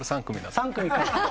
３組か。